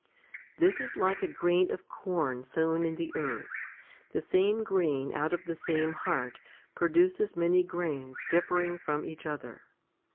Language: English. This is like a grain of corn sown in the earth ; the same grain out of the same heart 4 produces many grains differing from each other.